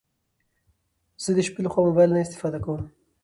زه د شپې لخوا موبايل نه استفاده کوم